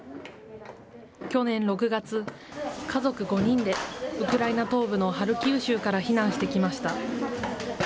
去年６月、家族５人でウクライナ東部のハルキウ州から避難してきました。